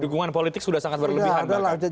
dukungan politik sudah sangat berlebihan